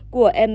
của em máy bay